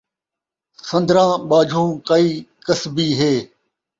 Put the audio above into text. سن٘دراں ٻاجھوں کئی کسبی ہے